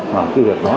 mà cái việc đó